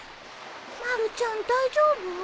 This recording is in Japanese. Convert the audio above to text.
まるちゃん大丈夫？